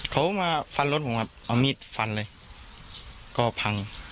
เขามาฟันรถผมครับเอามีดฟันเลยก็พัง